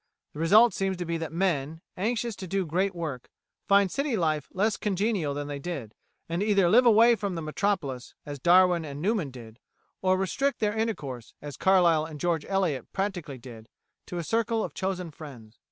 The result seems to be that men, anxious to do great work, find city life less congenial than they did, and either live away from the Metropolis, as Darwin and Newman did, or restrict their intercourse, as Carlyle and George Eliot practically did, to a circle of chosen friends."